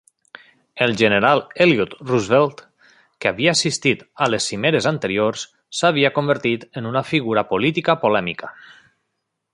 El general Elliott Roosevelt, que havia assistit a les cimeres anteriors, s'havia convertit en una figura política polèmica.